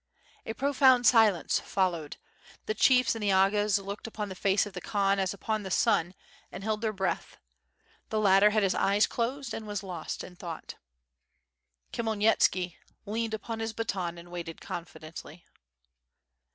A profound silence followed; the chiefs and agas looked upon the face of the Khan as upon the sun and held their breath, the latter had his eyes closed and was lost in thought. Khmyelnitski leaned upon his baton and waited con fidently.